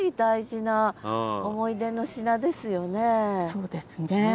そうですね。